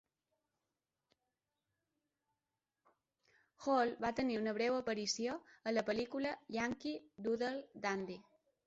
Hall va tenir una breu aparició a la pel·lícula "Yankee Doodle Dandy".